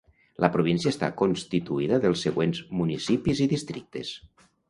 La Província està constituïda dels següents Municipis i Districtes.